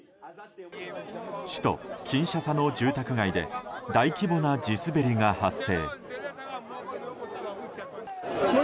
首都キンシャサの住宅街で大規模な地滑りが発生。